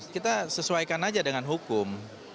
kita sesuaikan aja dengan hukum